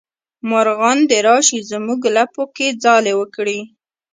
مارغان دې راشي زمونږ لپو کې ځالې وکړي